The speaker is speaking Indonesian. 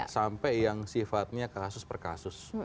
sampai yang sifatnya kasus per kasus